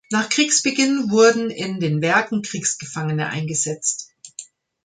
Nach Kriegsbeginn wurden in den Werken Kriegsgefangene eingesetzt.